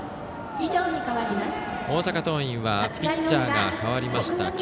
大阪桐蔭はピッチャーが代わりました。